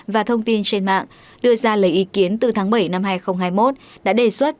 và thông tin trên mạng đưa ra lời ý kiến từ tháng bảy năm hai nghìn hai mươi một đã đề xuất